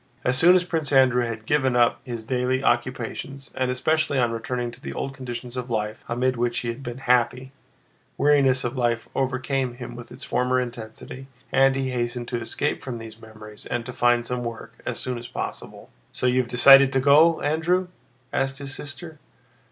As soon as Prince Andrew had given up his daily occupations, and especially on returning to the old conditions of life amid which he had been happy, weariness of life overcame him with its former intensity, and he hastened to escape from these memories and to find some work as soon as possible. "So you've decided to go, Andrew?" asked his sister.